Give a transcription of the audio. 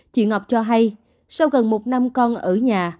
chị ngọc cho hay sau gần một năm con ở nhà